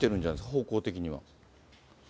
方向的には。